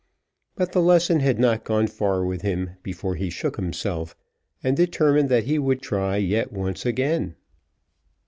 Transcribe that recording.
But the lesson had not gone far with him before he shook himself, and determined that he would try yet once again.